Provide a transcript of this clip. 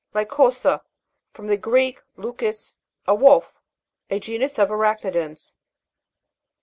LY'COSA. From the Greek, lukos, a wolf. A genus of arachnidans.